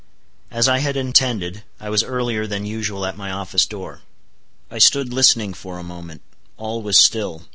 As I had intended, I was earlier than usual at my office door. I stood listening for a moment. All was still.